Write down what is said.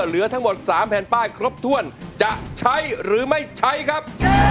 เหลือทั้งหมด๓แผ่นป้ายครบถ้วนจะใช้หรือไม่ใช้ครับ